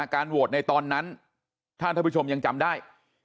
การโหวตในตอนนั้นถ้าท่านผู้ชมยังจำได้